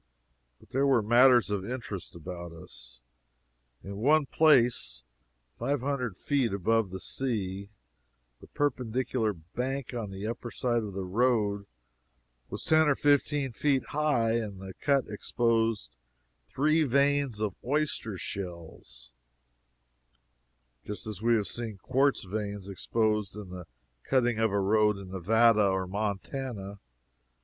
But there were matters of interest about us. In one place, five hundred feet above the sea, the perpendicular bank on the upper side of the road was ten or fifteen feet high, and the cut exposed three veins of oyster shells, just as we have seen quartz veins exposed in the cutting of a road in Nevada or Montana.